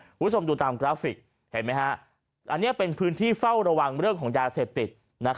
คุณผู้ชมดูตามกราฟิกเห็นไหมฮะอันนี้เป็นพื้นที่เฝ้าระวังเรื่องของยาเสพติด